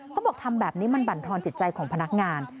เขาบอกทำแบบนี้มันบรรทอนจิตใจของพนักงาน